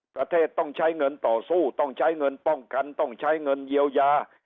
ประเทศต้องใช้เงินต่อสู้ต้องใช้เงินป้องกันต้องใช้เงินเยียวยา